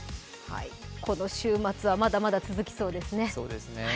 この週末はまだまだ続きそうですね。